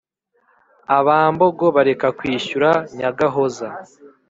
abambogo bareka kwishyura nyagahoza;